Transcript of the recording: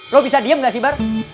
loh bisa diam gak sih bar